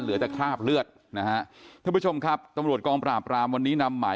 เหลือแต่คราบเลือดนะฮะท่านผู้ชมครับตำรวจกองปราบรามวันนี้นำหมาย